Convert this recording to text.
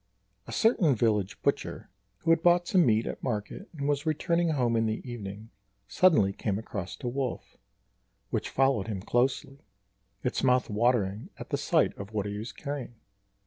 A certain village butcher, who had bought some meat at market and was returning home in the evening, suddenly came across a wolf, which followed him closely, its mouth watering at the sight of what he was carrying.